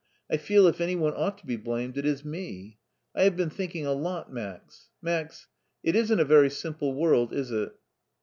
I feel if any one ought to be blamed it is me. I have been thinking a lot, Max. Max, it isn't a very simple world, is it?"